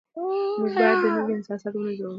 موږ باید د نورو احساسات ونه ځورو